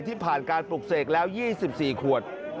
ที่ผ่านการปลูกเสกแล้ว๒๔ขวด